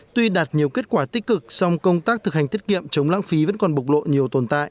tuy đạt nhiều kết quả tích cực song công tác thực hành tiết kiệm chống lãng phí vẫn còn bộc lộ nhiều tồn tại